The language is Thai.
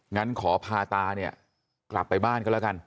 งั้นขอพาตาเนี่ยกลับไปบ้านก็แล้วกัน